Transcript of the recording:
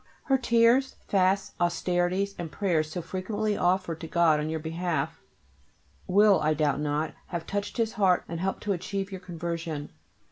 Her tears, fasts, austerities, and prayers so frequently offered to God on your behalf will, I doubt not, have touched His heart, and helped to achieve your conversion.